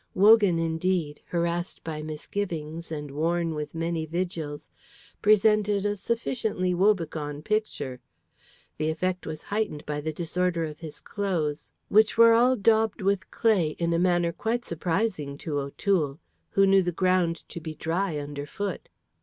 Wogan, indeed, harassed by misgivings, and worn with many vigils, presented a sufficiently woe begone picture. The effect was heightened by the disorder of his clothes, which were all daubed with clay in a manner quite surprising to O'Toole, who knew the ground to be dry underfoot.